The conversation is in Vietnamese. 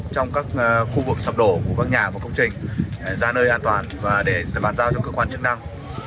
trong các khu vực sập đổ của các nhà và công trình ra nơi an toàn và để bàn giao cho cơ quan chức năng